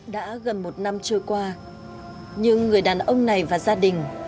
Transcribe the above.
đã gần một năm trôi qua nhưng người đàn ông này và gia đình